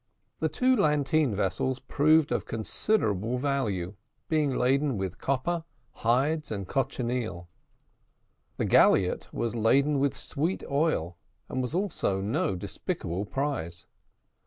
The two lateen vessels proved of considerable value, being laden with copper, hides, and cochineal. The galliot was laden with sweet oil, and was also no despicable prize.